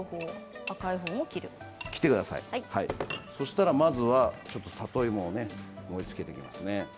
そしたら里芋を盛りつけていきますね。